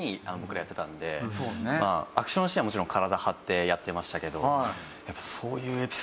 アクションシーンはもちろん体張ってやってましたけど。